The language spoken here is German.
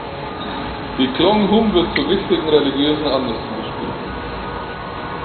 Die Klong Chum wird zu wichtigen religiösen Anlässen gespielt.